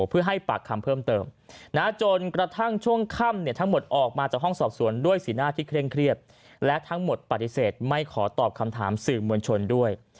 เพื่อให้ปากคำเพิ่มเติมจนกระทั่งช่วงค่ำทั้งหมดออกมาจากห้องสอบสวนด้วยสีหน้าที่เคร่งเครียดและทั้งหมดปฏิเสธไม่ขอตอบคำถามสื่อมวลชนด้วย